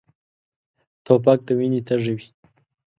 توپک د وینې تږی وي.